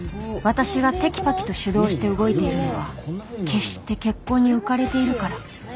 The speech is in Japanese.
私がテキパキと主導して動いているのは決して結婚に浮かれているからではない